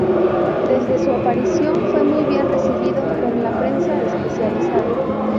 Desde su aparición, fue muy bien recibido por la prensa especializada.